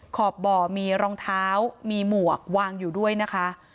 ขอบบ่อมีรองเท้ามีหมวกวางอยู่ด้วยนะคะ